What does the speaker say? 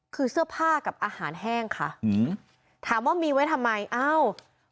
คือเสื้อผ้ากับอาหารแห้งค่ะอืมถามว่ามีไว้ทำไมอ้าว